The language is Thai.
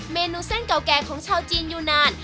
เมนูเส้นเก่าแก่ของชาวจีนอยู่นาน